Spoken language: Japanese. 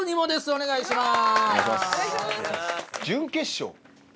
お願いします。